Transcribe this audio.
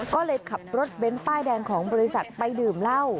ก็เลยขับรถเบ้นป้ายแดงของบริษัทไปดื่มเหล้า